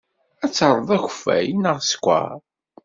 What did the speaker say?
Ad terreḍ akeffay neɣ sskeṛ?